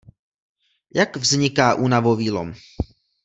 Jak vzniká únavový lom?